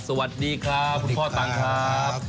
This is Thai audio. สวัสดีครับคุณพ่อตังครับ